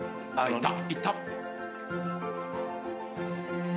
いった！